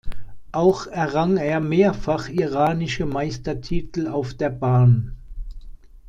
Auch errang er mehrfach iranische Meistertitel auf der Bahn.